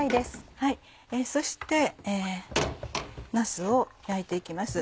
そしてなすを焼いて行きます。